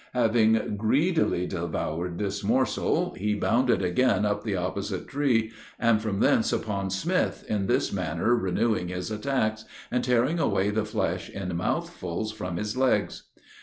Having greedily devoured this morsel, he bounded again up the opposite tree, and from thence upon Smith, in this manner renewing his attacks, and tearing away the flesh in mouthfuls from his legs.